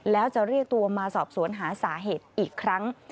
แล้วจะเรียกตัวมาสอบสวนหาสาเหตุอีกครั้ง